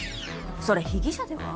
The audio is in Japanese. それ被疑者では？